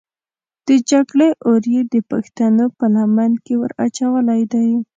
د جګړې اور یې د پښتنو په لمن کې ور اچولی دی.